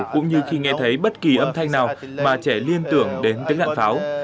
cũng như khi nghe thấy bất kỳ âm thanh nào mà trẻ liên tưởng đến tiếng lạn pháo